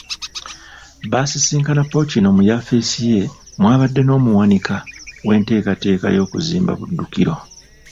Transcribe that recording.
Basisinkana Ppookino mu yafeesi ye mw'abadde n'omuwanika w'enteekateeka y'okuzimba Buddukiro.